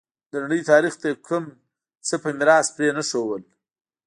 د نړۍ تاریخ ته یې کوم څه په میراث پرې نه ښودل.